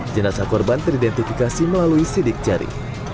jenazah korban teridentifikasi melalui sidik jari